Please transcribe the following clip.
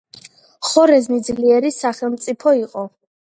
ხორეზმი ძლიერი სახელმწიფო იყო.